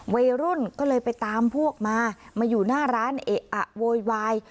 วัยรุ่นก็เลยไปตามพวกมามาอยู่หน้าร้านเอะอะโวยวาย